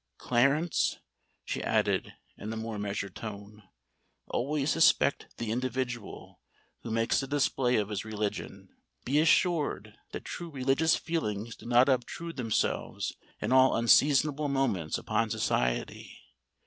Clarence," she added, in a more measured tone, "always suspect the individual who makes a display of his religion. Be assured that true religious feelings do not obtrude themselves in all unseasonable moments upon society.